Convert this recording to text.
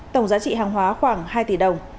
tổng giá trị hàng hóa khoảng hai tỷ đồng